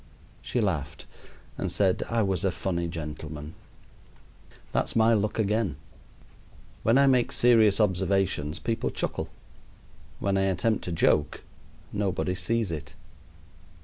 She laughed and said I was a funny gentleman. That's my luck again. When I make serious observations people chuckle; when I attempt a joke nobody sees it.